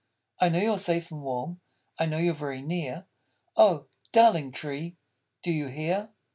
I know you're safe and warm; I know you're very near. _Oh, darling Tree, Do you hear?